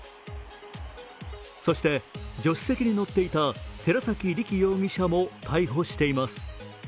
そして助手席に乗っていた寺崎太尊容疑者も逮捕しています。